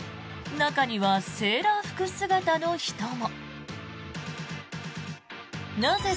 中にはセーラー服姿の人も。